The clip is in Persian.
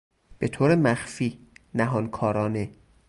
به طور مخفی، نهانکارانه